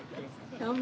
・どうも。